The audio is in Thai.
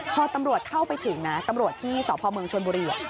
พอตำรวจเข้าไปถึงนะตำรวจที่สพเมืองชนบุรี